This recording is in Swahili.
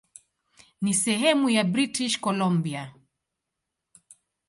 Ni sehemu ya British Columbia.